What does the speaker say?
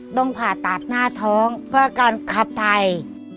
ต้องผ่าตัดหน้าท้องเพื่อการขับไทย